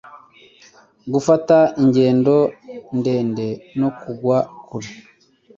gufata ingendo ndende no kugwa kure